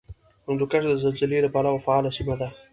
هندوکش د زلزلې له پلوه فعاله سیمه ده